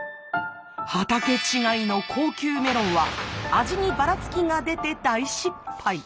畑違いの高級メロンは味にばらつきが出て大失敗。